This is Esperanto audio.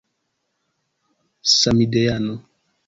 samideano